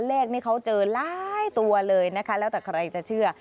เลขนี้เขาเจอหลายตัวเลยนะคะแล้วแต่ใครจะเชื่อ